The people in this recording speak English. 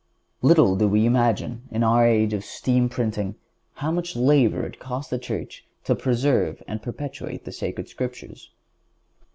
(151) Little do we imagine, in our age of steam printing, how much labor it cost the Church to preserve and perpetuate the Sacred Scriptures.